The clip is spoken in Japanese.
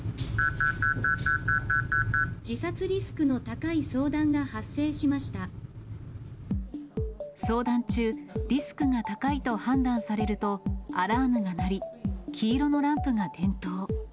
自殺リスクの高い相談が発生相談中、リスクが高いと判断されると、アラームが鳴り、黄色のランプが点灯。